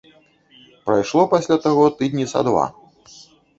Прайшло пасля таго тыдні са два.